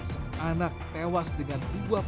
sang anak tewas dengan dua puluh empat